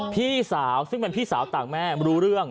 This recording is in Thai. พี่สาวซึ่งเป็นพี่สาวต่างแม่รู้เรื่อง